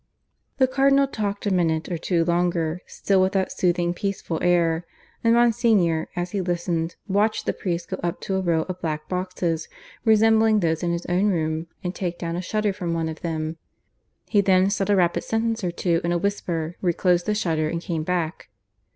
The Cardinal talked a minute or two longer, still with that soothing, peaceful air; and Monsignor, as he listened, watched the priest go up to a row of black boxes, resembling those in his own room, and take down a shutter from one of them. He then said a rapid sentence or two in a whisper, reclosed the shutter, and came back.